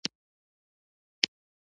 پښتون به تل ژوندی وي.